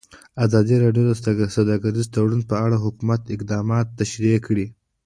ازادي راډیو د سوداګریز تړونونه په اړه د حکومت اقدامات تشریح کړي.